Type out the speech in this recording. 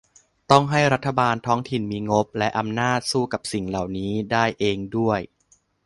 ต้องให้รัฐบาลท้องถิ่นมีงบและอำนาจสู้กับสิ่งเหล่านี้ได้เองด้วย